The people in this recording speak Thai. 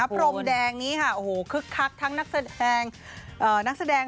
โพรมแดงนี้คลึกคักทั้งนักแสดง